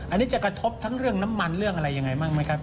อันนี้จะกระทบทั้งเรื่องน้ำมันเรื่องอะไรยังไงบ้างไหมครับ